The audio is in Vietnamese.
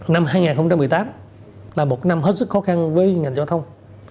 năm hai nghìn một mươi tám là một năm rất khó khăn với ngành giao thông